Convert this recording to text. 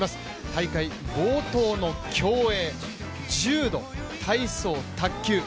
大会冒頭の競泳、柔道、体操、卓球。